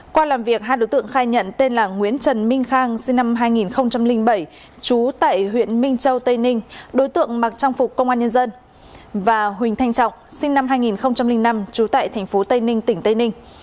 qua làm việc hai đối tượng khai nhận tên là nguyễn trần minh khang sinh năm hai nghìn bảy trú tại huyện minh châu tây ninh đối tượng mặc trang phục công an nhân dân và huỳnh thanh trọng sinh năm hai nghìn năm trú tại tp tây ninh tỉnh tây ninh